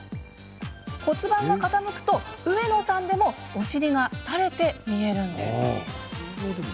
骨盤が傾くと、上野さんでもお尻がたれて見えるのです。